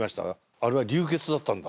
あれは流血だったんだ。